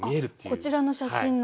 こちらの写真の？